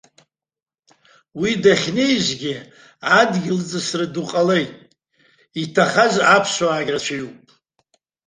Уа дахьнеизгьы адгьылҵысра ду ҟалеит, иҭахаз аԥсуаагьы рацәаҩуп.